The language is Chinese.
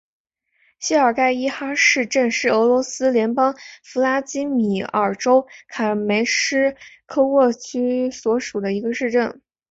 谢尔盖伊哈市镇是俄罗斯联邦弗拉基米尔州卡梅什科沃区所属的一个市镇。